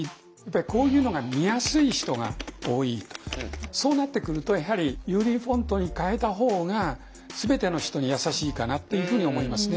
こういうのが見やすい人が多いとそうなってくるとやはりＵＤフォントに変えたほうが全ての人に優しいかなっていうふうに思いますね。